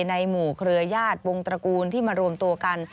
ในหมู่เครือญาติวงตระกูลที่มารวมตัวกัน